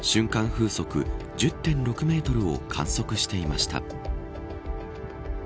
風速１０．６メートルを観測していました。